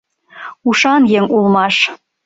Ушан еҥ улмаш...